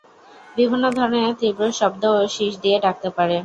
বিভিন্ন ধরনের তীব্র শব্দ ও শিস দিয়ে ডাকতে পারে।